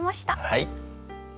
はい。